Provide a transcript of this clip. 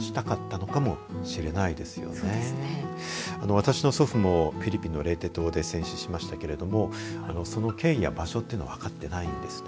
私の祖父もフィリピンのレイテ島で戦死しましたけれどもその経緯や場所というのは分かっていないんです。